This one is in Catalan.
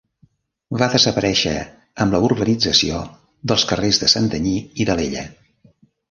Va desaparèixer amb la urbanització dels carrers de Santanyí i d’Alella.